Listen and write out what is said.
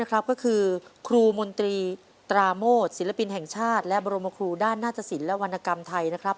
ก็คือครูมนตรีตราโมทศิลปินแห่งชาติและบรมครูด้านหน้าตสินและวรรณกรรมไทยนะครับ